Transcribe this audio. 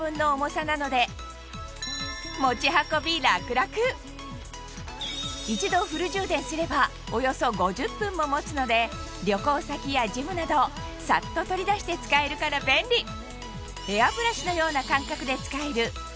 その上一度フル充電すればおよそ５０分も持つので旅行先やジムなどサッと取り出して使えるから便利ヘアブラシのような感覚で使えるうん。